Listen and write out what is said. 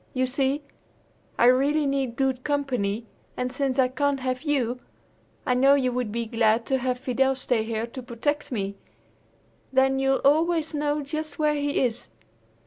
You see, I really need good company, and since I can't have you, I know you would be glad to have Fidel stay here to protect me. Then you'll always know just where he is."